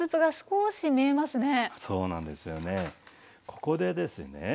ここでですね